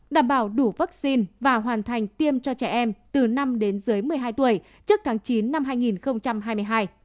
đảm bảo đủ vaccine và hoàn thành tiêm cho trẻ em từ năm đến dưới một mươi hai tuổi trước tháng chín năm hai nghìn hai mươi hai